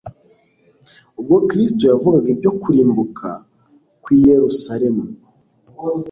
Ubwo Kristo yavugaga ibyo kurimbuka kw'i Yerusalemu,